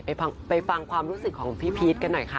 ไปฟังความรู้สึกของพี่พีชกันหน่อยค่ะ